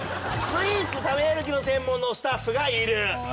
「スイーツ食べ歩き専門のスタッフがいる」